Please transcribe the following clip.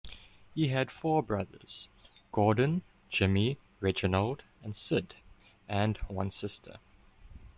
He had four brothers: Gordon, Jimmy, Reginald and Sid and one sister.